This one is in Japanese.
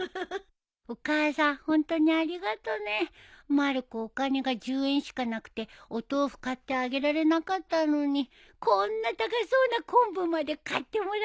まる子お金が１０円しかなくてお豆腐買ってあげられなかったのにこんな高そうな昆布まで買ってもらっちゃって。